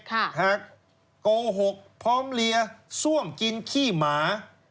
หากโกหกพร้อมเลียซ่วมกินขี้หมา